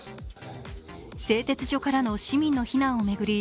製鉄所からの市民の避難を巡り